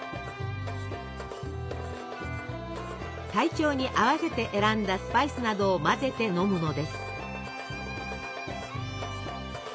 体調に合わせて選んだスパイスなどを混ぜて飲むのです。